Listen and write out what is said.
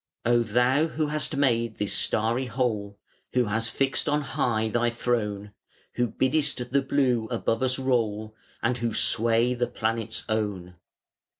Oh Thou who hast made this starry Whole, Who hast fixed on high Thy throne; Who biddest the Blue above us roll, And whose sway the planets own!